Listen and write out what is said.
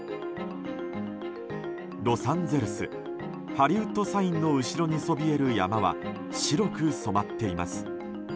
ロサンゼルスハリウッドサインの後ろにそびえる山は白く染まっています。